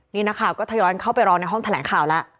นี่นะครับก็ถย้อนเข้าไปรองในห้องแถลงข่าวแล้ว